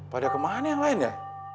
pada kemana yang lainnya